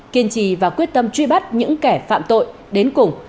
kiên trì và quyết tâm truy bắt những kẻ phạm tội đến cùng